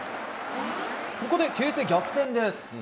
ここで形勢逆転です。